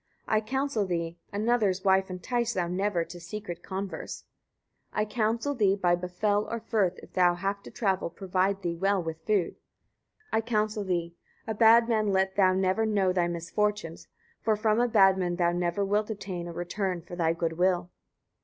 117. I counsel thee, etc. Another's wife entice thou never to secret converse. 118. I counsel thee, etc. By fell or firth if thou have to travel, provide thee well with food. 119. I counsel thee, etc. A bad man let thou never know thy misfortunes; for from a bad man thou never wilt obtain a return for thy good will.